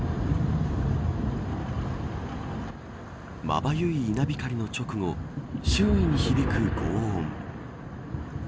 まばゆい稲光の直後周囲に響くごう音。